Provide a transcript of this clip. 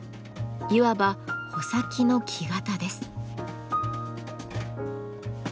いわば穂先の木型です。